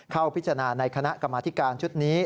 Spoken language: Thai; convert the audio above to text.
เข้าพิจารณาในคณะกรรมธิการชุดนี้